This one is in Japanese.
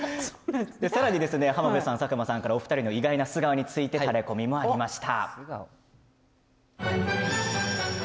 浜辺さん佐久間さんからお二人の意外な素顔についてタレコミがありました。